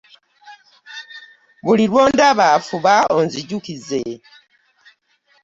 Buli lw'ondaba fuba onzijukize.